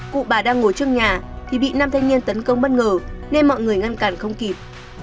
cụ bà đang ngồi trước nhà thì bị nam thanh niên tấn công bất ngờ nên mọi người ngăn cản không kịp